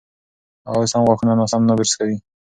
هغه اوس هم غاښونه ناسم نه برس کوي.